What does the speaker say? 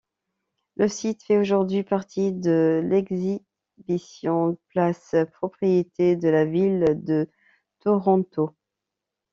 Le site fait aujourd’hui partie de l’Exhibition Place, propriété de la ville de Toronto.